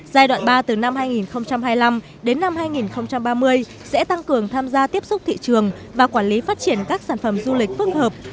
giai đoạn ba từ năm hai nghìn hai mươi năm đến năm hai nghìn ba mươi sẽ tăng cường tham gia tiếp xúc thị trường và quản lý phát triển các sản phẩm du lịch phức hợp